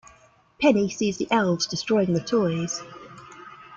Penny sees the elves destroying the toys.